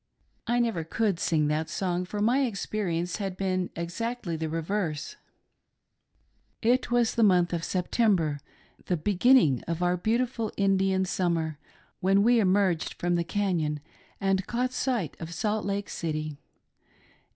I never could sing that song, for my experience 'had been Exactly the reverse. 242 FIRST IMPRESSIONS OF SALT LAKE CITY. It was the month of September— the beginning of our beautiful Indian summer— when we emerged from the canon, and caught sight of Salt Lake City.